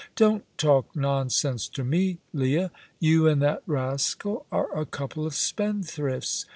"Don't talk nonsense to me, Leah. You and that rascal are a couple of spendthrifts.